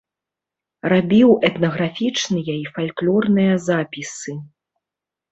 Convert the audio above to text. Рабіў этнаграфічныя і фальклорныя запісы.